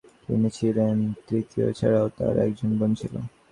তিনি ছিলেন তৃতীয়, এছাড়াও তার একজন বোন ছিল।